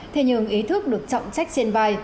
thế nhưng ý thức được trọng trách trên vai